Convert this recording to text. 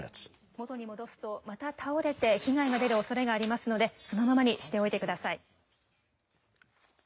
元に戻すとまた倒れて被害が出るおそれがありますのでそのままにしておいてください。